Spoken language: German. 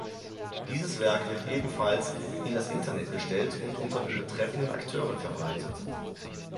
Dieses Werk wird ebenfalls in das Internet gestellt und unter den betreffenden Akteuren verbreitet.